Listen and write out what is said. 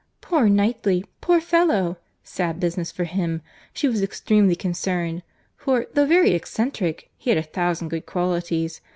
—"Poor Knightley! poor fellow!—sad business for him."—She was extremely concerned; for, though very eccentric, he had a thousand good qualities.